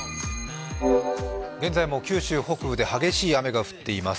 現在も九州北部で激しい雨が降っています。